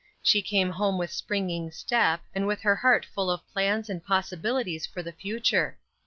She came home with springing step, and with her heart full of plans and possibilities for the future.